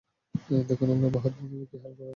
দেখুন আমার বাহাদুর বন্ধুদের কী হাল করা হয়েছে।